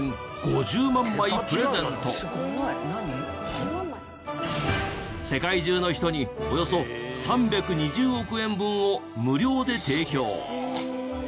香港行き世界中の人におよそ３２０億円分を無料で提供。